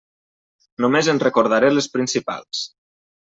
Només en recordaré les principals.